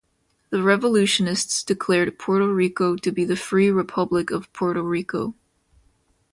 The revolutionists declared Puerto Rico to be the free "Republic of Puerto Rico".